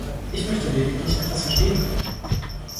Ich möchte lediglich etwas verstehen können.